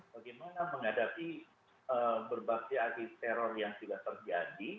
bagaimana menghadapi berbagai aksi teror yang sudah terjadi